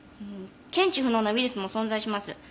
検知不能のウイルスも存在します。